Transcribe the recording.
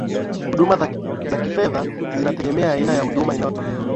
huduma za kifedha zinategemea aina ya huduma inayotolewa